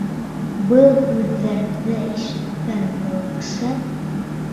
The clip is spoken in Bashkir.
Был һүҙҙәрҙе ишеткән балыҡсы: